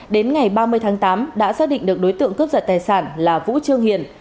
đến ngày ba mươi tháng tám đã xác định được đối tượng cướp giật tài sản là vũ trương hiền